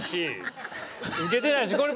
ウケていないし。